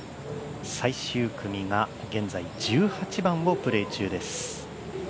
最終組が現在１８番をプレー中です。